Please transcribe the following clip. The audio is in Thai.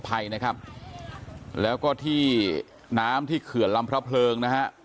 ไพรนะครับแล้วก็ที่น้ามที่เขื่อรรำพระเผลิน